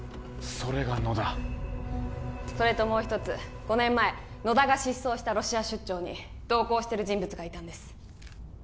それが野田それともう一つ５年前野田が失踪したロシア出張に同行してる人物がいたんです